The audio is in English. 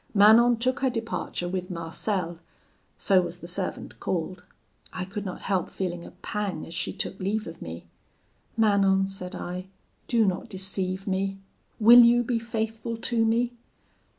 Manon took her departure with Marcel so was the servant called. I could not help feeling a pang as she took leave of me. 'Manon,' said I, 'do not deceive me; will you be faithful to me?'